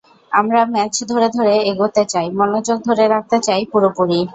আমরা ম্যাচ ধরে ধরে এগোতে চাই, মনোযোগ ধরে রাখতে চাই পুরোপুরি।